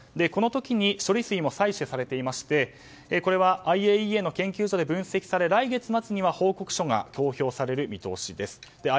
この時に処理水も採取されていましてこれはＩＡＥＡの研究所で分析され来月末には報告書が公表される見通しです。